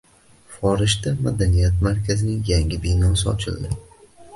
Forishda madaniyat markazining yangi binosi ochildi